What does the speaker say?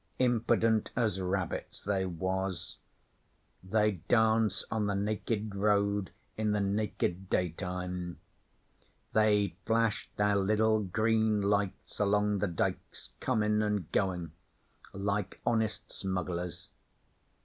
Impident as rabbits, they was. They'd dance on the nakid roads in the nakid daytime; they'd flash their liddle green lights along the diks, comin' an' goin', like honest smugglers.